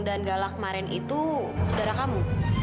galak kemarin itu saudara kamu